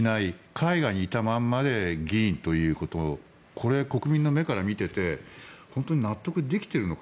海外にいたままで議員ということをこれ、国民の目から見ていて本当に納得できているのか。